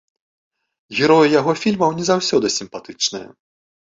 Героі яго фільмаў не заўсёды сімпатычныя.